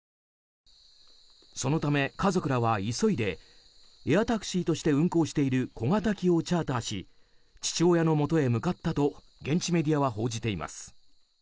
そのため家族らは急いでエアタクシーとして運航している小型機をチャーターし父親のもとへ向かったと現地メディアは報じています。